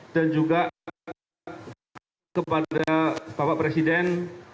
dan juga kepada bapak presiden